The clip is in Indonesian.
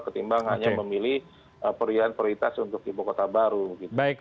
ketimbang hanya memilih prioritas untuk ibu kota baru